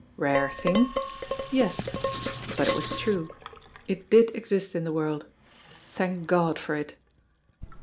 Rare thing? Yes! But it was true. It did exist in the world. Thank God for it!